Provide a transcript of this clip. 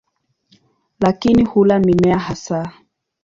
Lakini hula mimea hasa.